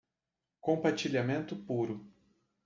Compartilhamento puro